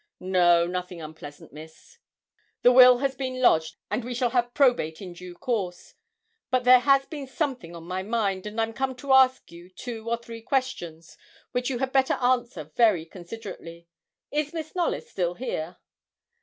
'No, nothing unpleasant, Miss. The will has been lodged, and we shall have probate in due course; but there has been something on my mind, and I'm come to ask you two or three questions which you had better answer very considerately. Is Miss Knollys still here?'